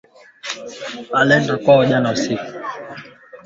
Mushimurudishiye mioko na minji eko na ya mingi kwake